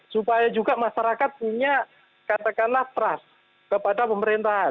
supaya juga masyarakat punya katakanlah trust kepada pemerintahan